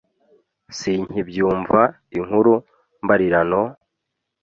Sinkibyumva inkuru mbarirano,